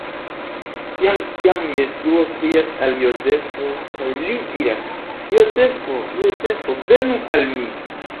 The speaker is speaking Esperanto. Kaj tiam Jesuo krias al Jozefo, kaj li diras: "Jozefo! Jozefo, venu al mi!